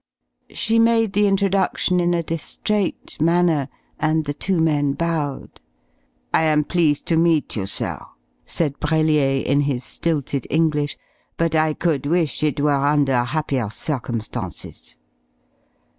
She made the introduction in a distrait manner, and the two men bowed. "I am pleased to meet you, sir," said Brellier, in his stilted English, "but I could wish it were under happier circumstances."